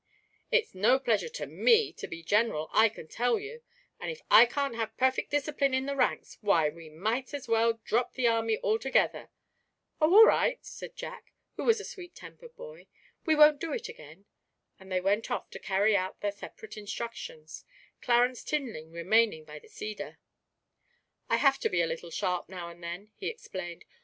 It's no pleasure to me to be General, I can tell you; and if I can't have perfect discipline in the ranks why, we might as well drop the army altogether!' 'Oh, all right,' said Jack, who was a sweet tempered boy, 'we won't do it again.' And they went off to carry out their separate instructions, Clarence Tinling remaining by the cedar. 'I have to be a little sharp now and then,' he explained.